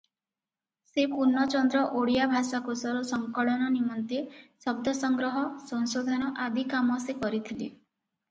ସେ ପୂର୍ଣ୍ଣଚନ୍ଦ୍ର ଓଡ଼ିଆ ଭାଷାକୋଷର ସଂକଳନ ନିମନ୍ତେ ଶବ୍ଦସଂଗ୍ରହ, ସଂଶୋଧନ ଆଦି କାମ ସେ କରିଥିଲେ ।